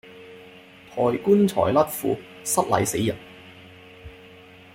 抬棺材甩褲失禮死人